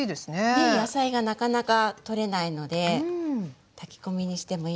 ねえ野菜がなかなか取れないので炊き込みにしてもいいですよね。